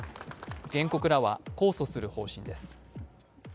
原告らは控訴する方針です。